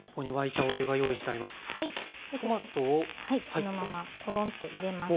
このままコロンと入れます。